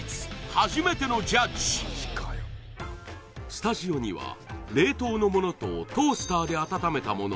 初めてのジャッジスタジオには冷凍のものとトースターで温めたもの